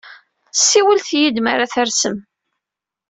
Siwlet-iyi-d mi ara tersem.